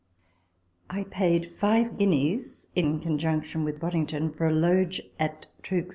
I paid five guineas (in conjunction with Bodding ton) for a loge at Tooke's trial.